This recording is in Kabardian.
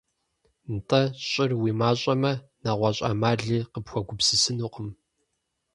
НтӀэ, щӀыр уи мащӀэмэ, нэгъуэщӀ Ӏэмали къыпхуэгупсысынукъым.